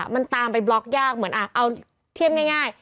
มันตามไปบล็อกยากเหมือนเอาเทียบง่าย